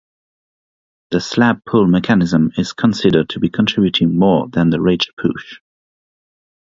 The slab pull mechanism is considered to be contributing more than the ridge push.